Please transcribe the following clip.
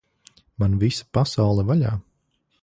Man visa pasaule vaļā!